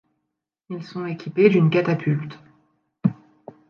Ils sont équipés d'une catapulte.